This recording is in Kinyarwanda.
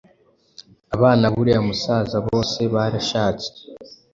Abana b’uriya musaza bose barashatse.